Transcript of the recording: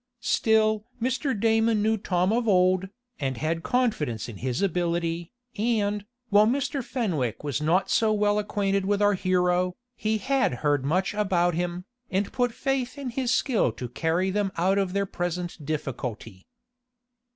Still Mr. Damon knew Tom of old, and had confidence in his ability, and, while Mr. Fenwick was not so well acquainted with our hero, he had heard much about him, and put faith in his skill to carry them out of their present difficulty.